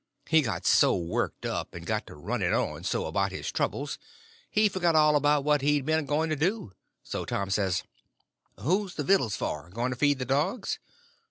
He got so worked up, and got to running on so about his troubles, he forgot all about what he'd been a going to do. So Tom says: "What's the vittles for? Going to feed the dogs?"